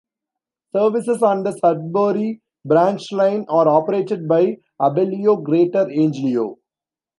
Services on the Sudbury Branch Line are operated by Abellio Greater Anglia.